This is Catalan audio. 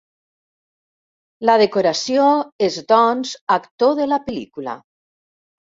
La decoració és doncs actor de la pel·lícula.